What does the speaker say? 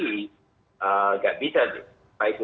tidak bisa sih